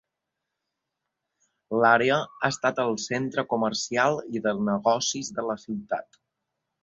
L'àrea ha estat el centre comercial i de negocis de la ciutat.